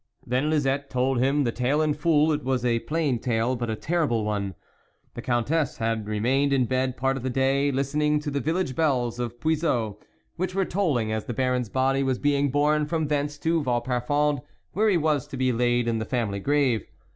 Then Lisette told him the tale in full. It was a plain tale, but a terrible one. The Countess had remained in bed part of the day, listening to the village bells oJ Puiseux, which were tolling as the Baron's Dody was being borne from thence to Vauparfond, where he was to be laid in the family grave.